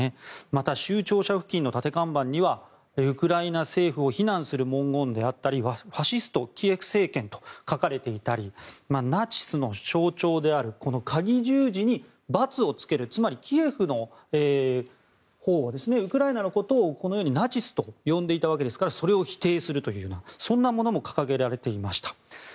また、州庁舎付近の立て看板にはウクライナ政府を非難する文言であったりファシストキエフ政権と書かれていたりナチスの象徴であるかぎ十字にバツをつけるつまり、ウクライナのことをナチスと呼んでいたわけですからそれを否定するようなそんなものも掲げられていました。